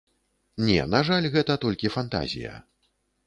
Не, на жаль, гэта толькі фантазія.